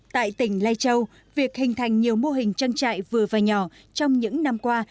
tại tỉnh lai châu việc hình thành nhiều mô hình trang trại vừa và nhỏ trong những năm qua